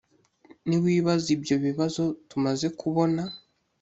niwibaza ibyo bibazo tumaze kubona